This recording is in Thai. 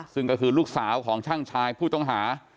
ซึ่งก็คือลูกสาวของช่างชายผู้ต้องหา